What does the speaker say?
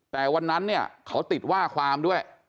แต่วันนั้นเนี่ยเขาติดว่าความด้วย